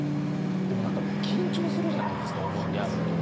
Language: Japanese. でも何か緊張するじゃないですか大物に会うと。